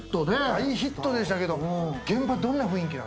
大ヒットでしたけど現場どんな雰囲気なんですか？